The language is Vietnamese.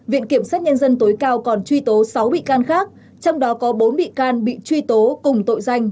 viện kiểm sát nhân dân tối cao còn truy tố sáu bị can khác trong đó có bốn bị can bị truy tố cùng tội danh